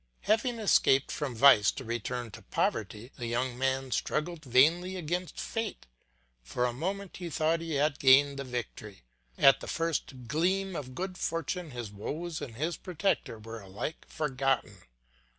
Having escaped from vice to return to poverty, the young man struggled vainly against fate: for a moment he thought he had gained the victory. At the first gleam of good fortune his woes and his protector were alike forgotten.